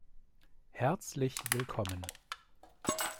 Herzlich willkommen!